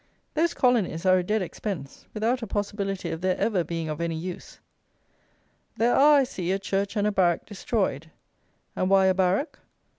Those colonies are a dead expense, without a possibility of their ever being of any use. There are, I see, a church and a barrack destroyed. And why a barrack?